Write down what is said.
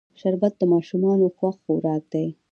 شربت د ماشومانو خوښ خوراک دی